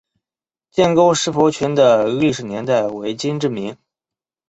建沟石佛群的历史年代为金至明。